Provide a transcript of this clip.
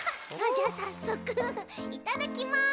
じゃあさっそくいただきます。